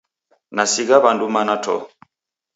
Nasigha w'andu mana to!